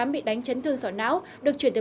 bị đánh chấn thương sọ não được chuyển từ